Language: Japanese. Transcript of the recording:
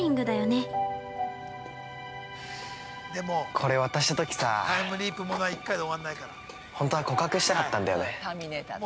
◆これ渡したときさ、本当は告白したかったんだよね。